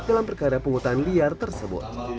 dalam perkara penghutan liar tersebut